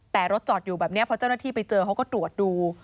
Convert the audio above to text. แต่รถจอดอยู่แบบนี้พอเจ้าหน้าที่ไปเจอเขาก็ตรวจดู